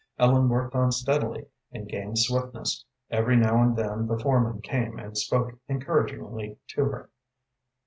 Ellen worked on steadily, and gained swiftness. Every now and then the foreman came and spoke encouragingly to her.